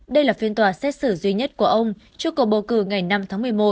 đây là phiên tòa xét xử duy nhất của ông trước cầu bầu cử ngày năm tháng một mươi một